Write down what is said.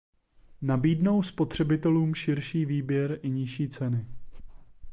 Nabídnou spotřebitelům širší výběr i nižší ceny.